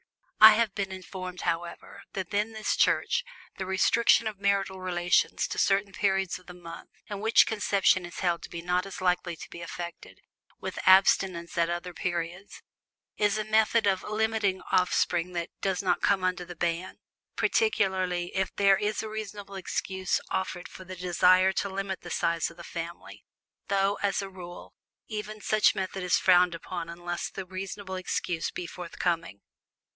I have been informed, however, that in this Church the restriction of marital relations to certain periods of the month in which conception is held to be not so likely to be effected, with abstinence at other periods, is a method of limiting offspring that does not come under the ban, particularly if there be a reasonable excuse offered for the desire to limit the size of the family; though, as a rule, even such method is frowned upon unless the reasonable excuse be forthcoming.